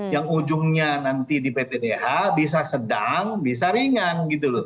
yang ujungnya nanti di pt dh bisa sedang bisa ringan